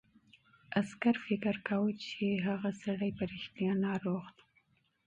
عسکر فکر کاوه چې هغه سړی په رښتیا ناروغ دی.